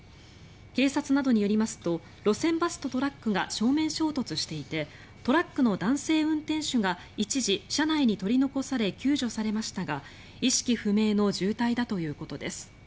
警察などによりますと路線バスとトラックが正面衝突していてトラックの男性運転手が一時、車内に取り残され救助されましたが意識不明の重体だということです。